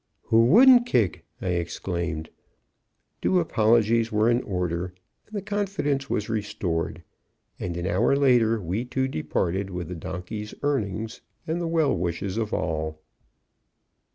"" "Who wouldn't kick!" I exclaimed. Due apologies were in order, and confidence was restored, and an hour later we two departed with the donkey's earnings and the well wishes of all.